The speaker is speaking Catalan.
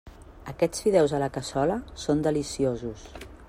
Aquests fideus a la cassola són deliciosos.